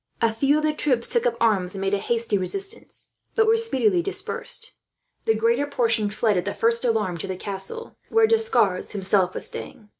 A few of the troops took up arms and made a hasty resistance, but were speedily dispersed. The greater portion fled, at the first alarm, to the castle, where D'Escars himself was staying.